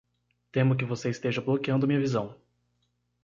Temo que você esteja bloqueando minha visão.